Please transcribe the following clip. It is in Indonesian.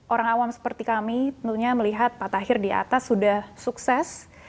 orang awam seperti kami tentunya melihat pak tahir di atas sudah sukses